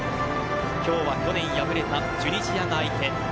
今日は去年敗れたチュニジアが相手。